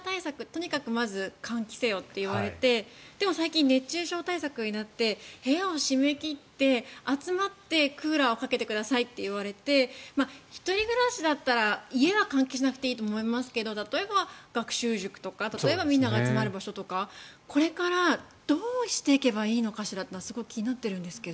とにかくまず換気せよと言われてでも最近、熱中症対策になって部屋を閉め切って集まってクーラーをかけてくださいと言われて１人暮らしだったら家は換気しなくていいと思いますけど例えば学習塾とかみんなが集まる場所とかこれからどうしていけばいいのかしらっていうのはすごく気になっているんですが。